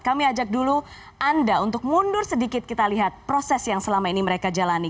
kami ajak dulu anda untuk mundur sedikit kita lihat proses yang selama ini mereka jalani